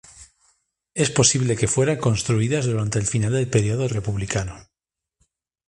Es posible que fueran construidas durante el final del período republicano.